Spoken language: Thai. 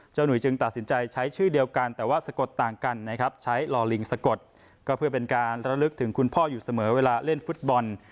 หนุ่ยจึงตัดสินใจใช้ชื่อเดียวกันแต่ว่าสะกดต่างกันนะครับใช้ลอลิงสะกดก็เพื่อเป็นการระลึกถึงคุณพ่ออยู่เสมอเวลาเล่นฟุตบอล